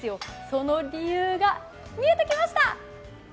その理由が、見えてきました！